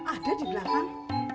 ada di belakang